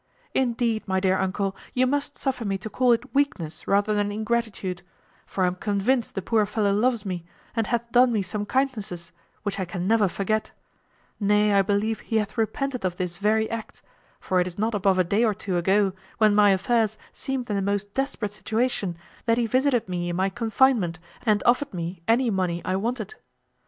Indeed, my dear uncle, you must suffer me to call it weakness rather than ingratitude; for I am convinced the poor fellow loves me, and hath done me some kindnesses, which I can never forget; nay, I believe he hath repented of this very act; for it is not above a day or two ago, when my affairs seemed in the most desperate situation, that he visited me in my confinement, and offered me any money I wanted.